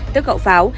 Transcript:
tức hậu pháo